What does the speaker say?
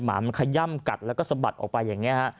หมามันขย่ำกัดแล้วก็สะบัดออกไปอย่างนี้ฮะ